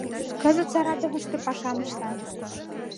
Кызыт Саратовышто пашам ышта.